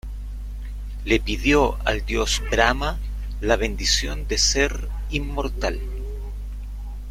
Le pidió al dios Brahmá la bendición de ser inmortal.